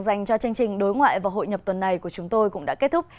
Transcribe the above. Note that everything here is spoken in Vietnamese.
dành cho chương trình đối ngoại và hội nhập tuần này của chúng tôi cũng đã kết thúc